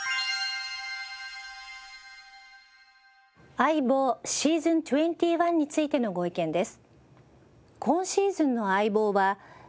『相棒ｓｅａｓｏｎ２１』についてのご意見です。